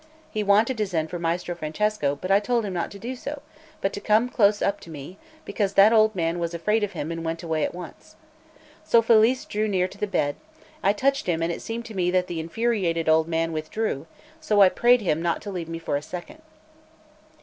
He wanted to send for Maestro Francesco, but I told him not to do so, but to come close up to me, because that old man was afraid of him and went away at once. So Felice drew near to the bed; I touched him, and it seemed to me that the infuriated old man withdrew; so I prayed him not to leave me for a second.